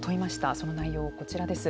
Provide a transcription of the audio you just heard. その内容、こちらです。